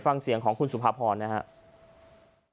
ฟังเสียงของคุณสุภาพรนะครับ